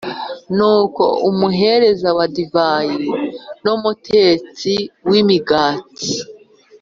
Nuko umuhereza wa divayi n umutetsi w imigati